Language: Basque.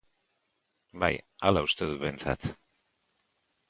Bai, hala uste dut behintzat.